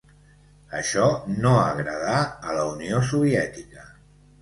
Això no agradà a la Unió Soviètica.